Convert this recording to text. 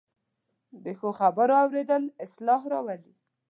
د ښو خبرو اورېدل اصلاح راولي